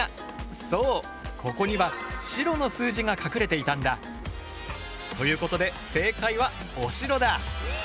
そうここには白の数字が隠れていたんだ！ということで正解は「おしろ」だ！